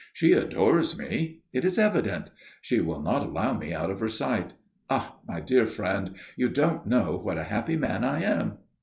"She adores me. It is evident. She will not allow me out of her sight. Ah, my dear friend, you don't know what a happy man I am."